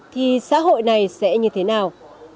thì xã hội này sẽ như thế nào